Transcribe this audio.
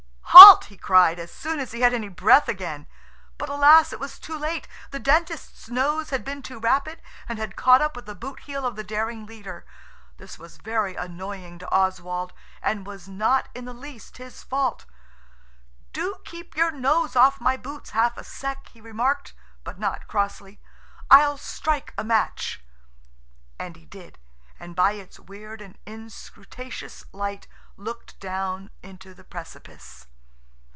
"Halt!" he cried, as soon as he had any breath again. But, alas! it was too late! The Dentist's nose had been too rapid, and had caught up the boot heel of the daring leader. This was very annoying to Oswald, and was not in the least his fault. "Do keep your nose off my boots half a sec.," he remarked, but not crossly. "I'll strike a match." And he did, and by its weird and unscrutatious light looked down into the precipice.